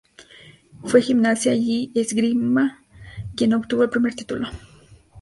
Fue Gimnasia y Esgrima quien obtuvo el primer título.